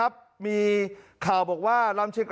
บอกว่า